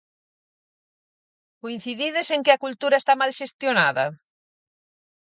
Coincidides en que a cultura está mal xestionada?